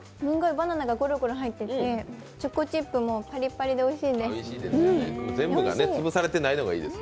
バナナがごろごろ入っててチョコチップもパリパリでおいしいです。